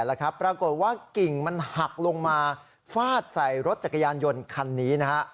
แล้วครับปรากฏว่ากิ่งมันหักลงมาฟาดใส่รถจักรยานยนต์คันนี้นะฮะ